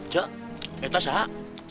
tuhan saya sudah siap